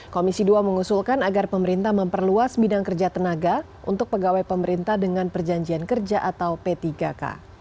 komisi dua mengusulkan agar pemerintah memperluas bidang kerja tenaga untuk pegawai pemerintah dengan perjanjian kerja atau p tiga k